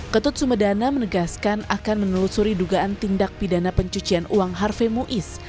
ketut sumedana menegaskan akan menelusuri dugaan tindak pidana pencucian uang harve muiz